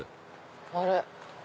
あれ？